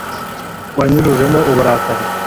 wanyujujemo uburakari